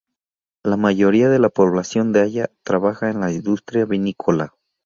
La mayoría de la población de Aya trabaja en la industria vinícola.